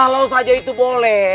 kalau saja itu boleh